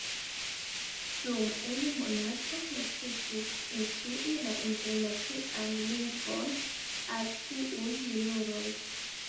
Dum unu monato necesis instrui la Internacian Lingvon al tiuj junuloj.